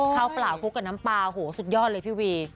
เปล่าคลุกกับน้ำปลาโหสุดยอดเลยพี่วี